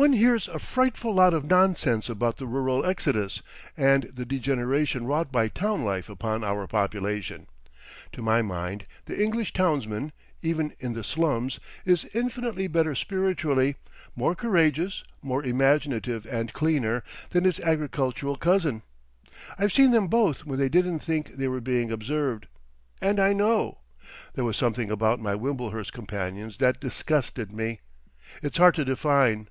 One hears a frightful lot of nonsense about the Rural Exodus and the degeneration wrought by town life upon our population. To my mind, the English townsman, even in the slums, is infinitely better spiritually, more courageous, more imaginative and cleaner, than his agricultural cousin. I've seen them both when they didn't think they were being observed, and I know. There was something about my Wimblehurst companions that disgusted me. It's hard to define.